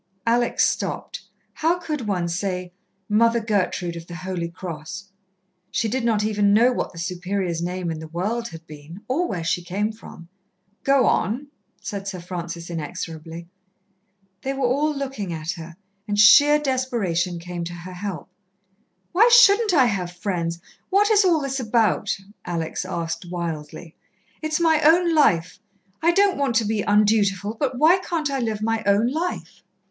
Alex stopped. How could one say, "Mother Gertrude of the Holy Cross?" She did not even know what the Superior's name in the world had been, or where she came from. "Go on," said Sir Francis inexorably. They were all looking at her, and sheer desperation came to her help. "Why shouldn't I have friends?... What is all this about?" Alex asked wildly. "It's my own life. I don't want to be undutiful, but why can't I live my own life?